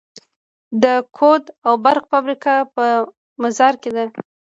د کود او برق فابریکه په مزار کې ده